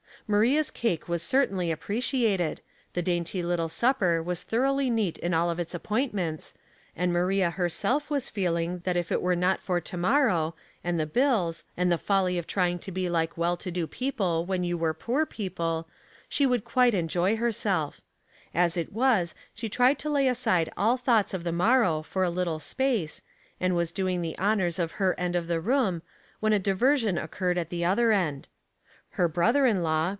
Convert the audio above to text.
Maria's cake was certainly appreciated, the dainty little supper was thoroughly neat in all of its appointments, and Maria herself was feei ng that if it were not for to morrow, and the bills, and the folly of trying to be like well to do people when 'you were poor people, she would quite enjoy herself; as it was, she tried to lay aside all thoughts of the morrow for a little space, and was doing the honors of her end of the room, when a diversion occurred at the other end. Her brother in law.